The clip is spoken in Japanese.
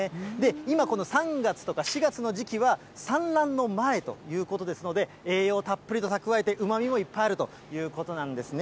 今、この３月とか４月の時期は、産卵の前ということですので、栄養たっぷり蓄えて、うまみもいっぱいあるということなんですね。